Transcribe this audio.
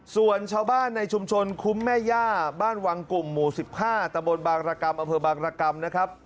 ส่วนชาวบ้านในชุมชนคุ้มแม่ย่าบ้านวังกลุ่มหมู่๑๕ตะบนบางรกรรมอำเภอบางรกรรมนะครับ